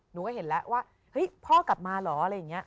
หนูก็เห็นแล้วว่าเฮ้ยพ่อกลับมาเหรอ